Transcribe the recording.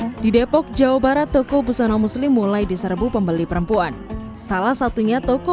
hai di depok jawa barat toko busana muslim mulai diserbu pembeli perempuan salah satunya toko